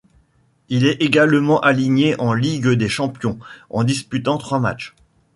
Il est également aligné en Ligue des Champions, en disputant trois matches.